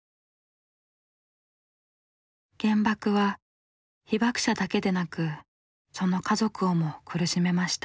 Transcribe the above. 原爆は被爆者だけでなくその家族をも苦しめました。